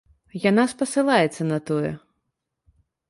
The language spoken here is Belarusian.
Яна спасылаецца на тое,.